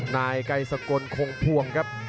นายไกรสกลคงพวงครับ